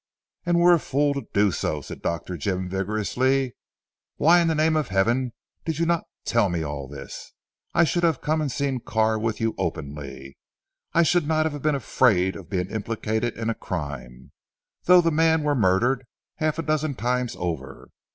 "And were a fool to do so," said Dr. Jim vigorously, "why in the name of heaven did you not tell me all this? I should have come and seen Carr with you openly. I should not have been afraid of being implicated in a crime, though the man were murdered half a dozen times over.